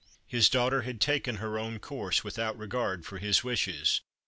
His daughter had taken her own course without regard for his wishes.